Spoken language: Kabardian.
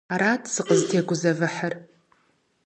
Арат сызытегузэвыхьыр.